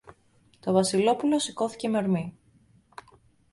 Το Βασιλόπουλο σηκώθηκε με ορμή